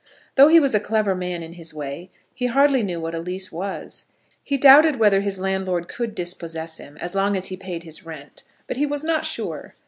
Though he was a clever man in his way, he hardly knew what a lease was. He doubted whether his landlord could dispossess him as long as he paid his rent, but he was not sure.